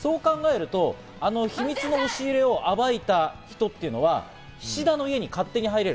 そうするとあの秘密の押入れを暴いた人っていうのは菱田の家に勝手に入れる。